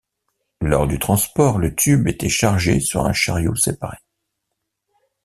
Lors du transport, le tube était chargé sur un chariot séparé.